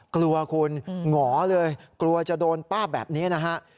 กลัวคุณหงอเลยกลัวจะโดนป้าแบบนี้นะฮะ